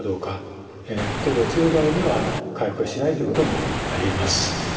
程度が強い場合には回復しないということもありえます。